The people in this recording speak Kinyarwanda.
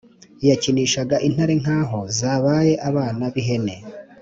Yakinishaga intare nk’aho zabaye abana b’ihene,